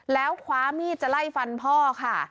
แล้วคว้ามีดจะไล่ฟันพ่อค่ะ